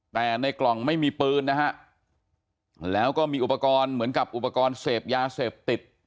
แต่ในกล่องไม่มีปืนนะฮะแล้วก็มีอุปกรณ์เหมือนกับอุปกรณ์เสพยาเสพติด